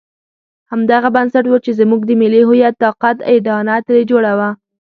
همدغه بنسټ وو چې زموږ د ملي هویت طاقت اډانه ترې جوړه وه.